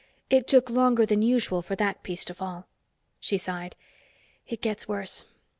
It took longer than usual for that piece to fall." She sighed. "It gets worse.